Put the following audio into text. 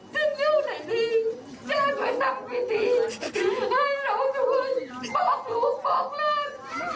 ที่รู้ไหนดีเจ้าให้นำวิธีให้เราทุกคนบอกลูกบอกเลิศ